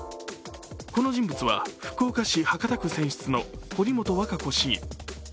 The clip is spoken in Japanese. この人物は福岡市博多区選出の堀本和歌子市議。